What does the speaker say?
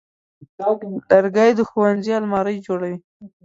لرګی د ښوونځي المارۍ جوړوي.